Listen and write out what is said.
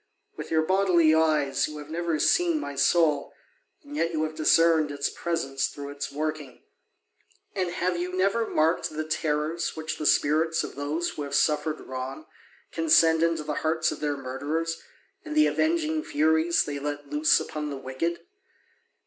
With your bodily eyes you have never seen my soul, and yet you have discerned its presence through its working. And have you never marked the terrors which the spirits of those who have suffered wrong can send into the hearts of their murderers, and the avenging furies they let loose upon the wicked?